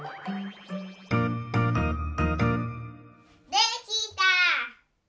できた。